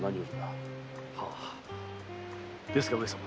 はいですが上様